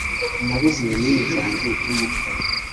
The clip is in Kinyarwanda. nabuze ibinini byanjye by’umutwe